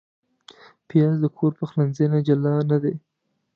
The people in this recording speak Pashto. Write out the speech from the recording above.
پیاز د کور پخلنځي نه جلا نه دی